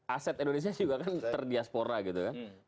aset indonesia juga kan terdiaspora gitu kan